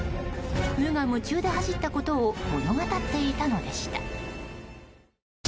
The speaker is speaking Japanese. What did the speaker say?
無我夢中で走ったことを物語っていたのでした。